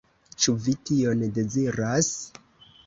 Ĉu vi tion deziras?